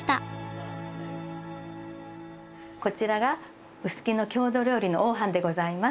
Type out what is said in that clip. こちらが臼杵の郷土料理の黄飯でございます。